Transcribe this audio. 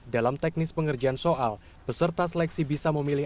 dalam teknis pengerjaan soal peserta seleksi bisa memilih